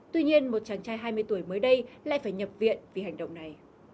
tuy nhiên một chàng trai hai mươi tuổi mới đây lại phải nhập viện vì hành động này